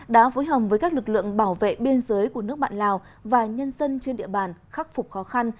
đã phối hợp với các lực lượng bảo vệ biên giới của nước bạn lào và nhân dân trên địa bàn khắc phục khó khăn